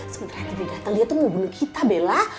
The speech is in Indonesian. sebenernya tiba tiba dia tuh mau bunuh kita bella